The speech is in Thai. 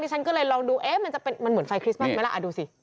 ฉันก็เลยลองดูเอ๊ะมันเหมือนไฟคริสต์มัสไหมล่ะดูสิ